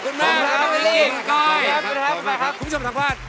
คุณผู้ชมทางภาษา